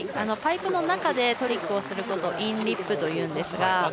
パイプの中でトリックをすることをインリップというんですが。